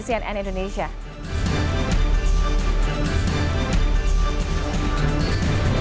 terima kasih sudah bergabung dengan breaking news